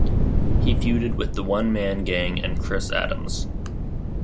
He feuded with the One Man Gang and Chris Adams.